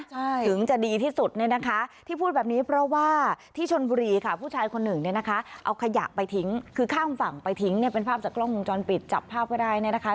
ใช่ถึงจะดีที่สุดเนี่ยนะคะที่พูดแบบนี้เพราะว่าที่ชนบุรีค่ะผู้ชายคนหนึ่งเนี่ยนะคะเอาขยะไปทิ้งคือข้ามฝั่งไปทิ้งเนี่ยเป็นภาพจากกล้องวงจรปิดจับภาพก็ได้เนี่ยนะคะ